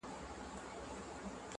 • ژوند مي د هوا په لاس کي وليدی.